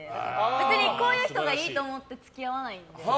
別にこういう人がいいと思って付き合わないんで。